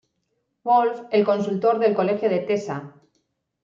Wolf, el consultor del colegio de Tessa.